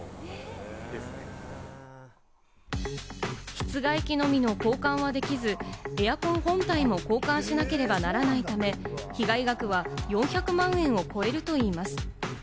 室外機のみの交換はできず、エアコン本体も交換しなければならないため、被害額は４００万円を超えるといいます。